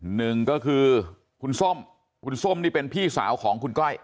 หนึ่งก็คือคุณส้มคุณส้มนี่เป็นพี่สาวของคุณก้อย